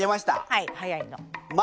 はい早いのう。